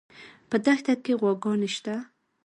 په دښته کې غواګانې شته